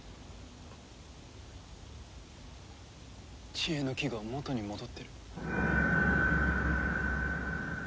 知恵の樹が元に戻ってる。